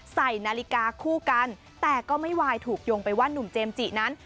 ใส่นาฬิกาคู่กันแต่ก็ไม่วายถูกโยงไปว่านุ่มเจมส์จินั้น